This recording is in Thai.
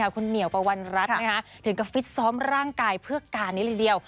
คุณเหมียวปวันรัฐนะฮะถึงกับฟิตซ้อมร่างกายเพื่อการนิดหนึ่งเดียว